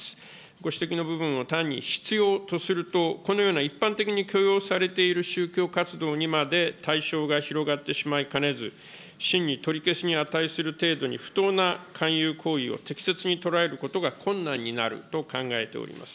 ご指摘の部分を単に必要とすると、このような一般的に許容されている宗教活動にまで対象が広がってしまいかねず、真に取り消しに値する程度に不当な勧誘行為を適切に捉えることが困難になると考えております。